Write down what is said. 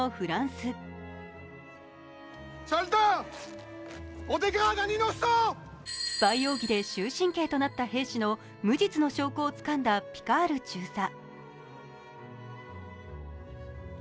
スパイ容疑で終身刑となった兵士の無実の証拠をつかんだピカール中佐。